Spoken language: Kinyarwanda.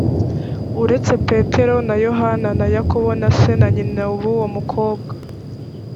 uretse petero na yohana na yakobo na se na nyina b uwo mukobwa